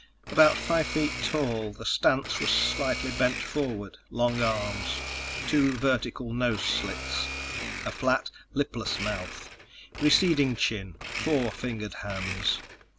About five feet tall. The stance was slightly bent forward, long arms. Two vertical nose slits. A flat, lipless mouth. Receding chin. Four fingered hands.